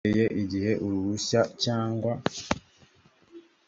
uhereye igihe uruhushya cyangwa